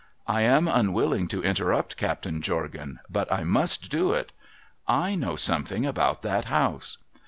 I am unwilling to interrupt Captain Jorgan, but I must do it. /know something about that house.'